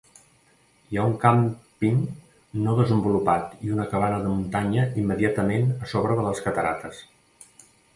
Hi ha un càmping no desenvolupat i una cabana de muntanya immediatament a sobre de les catarates.